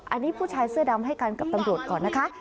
อันนี้ผู้ชายเสื้อดำให้กันกับตำรวจก่อนนะคะ